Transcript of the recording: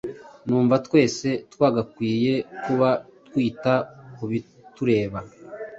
numva twese twagakwiye kuba twita ku bitureba